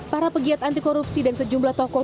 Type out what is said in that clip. para pegiat anti korupsi dan sejumlah tokoh